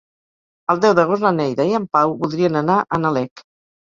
El deu d'agost na Neida i en Pau voldrien anar a Nalec.